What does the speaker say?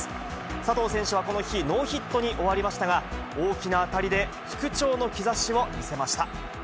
佐藤選手はこの日、ノーヒットに終わりましたが、大きな当たりで、復調の兆しを見せました。